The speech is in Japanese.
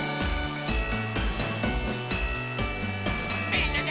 みんなで。